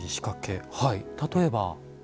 例えば？